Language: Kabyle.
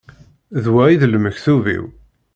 D wa i d lmektub-iw.